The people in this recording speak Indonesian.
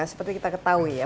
seperti kita ketahui ya